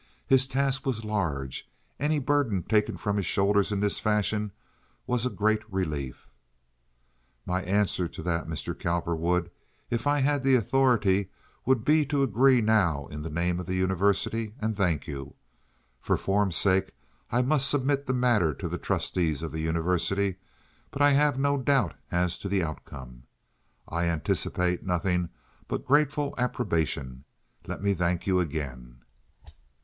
His task was large. Any burden taken from his shoulders in this fashion was a great relief. "My answer to that, Mr. Cowperwood, if I had the authority, would be to agree now in the name of the University, and thank you. For form's sake, I must submit the matter to the trustees of the University, but I have no doubt as to the outcome. I anticipate nothing but grateful approbation. Let me thank you again."